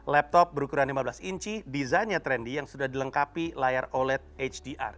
laptop berukuran lima belas inci desainnya trendy yang sudah dilengkapi layar oled hdr